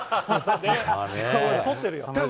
怒ってるよ。